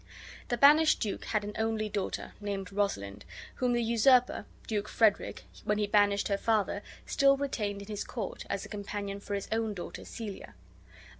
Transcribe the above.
The banished duke had an only daughter, named Rosalind, whom the usurper, Duke Frederick, when he banished her father, still retained in his court as a companion for his own daughter, Celia.